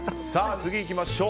次にいきましょう。